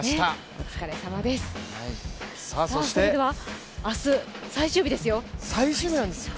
お疲れさまです、それでは明日最終日ですよ。